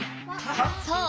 そう！